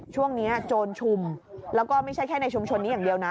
โจรชุมแล้วก็ไม่ใช่แค่ในชุมชนนี้อย่างเดียวนะ